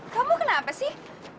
kamu kenapa sih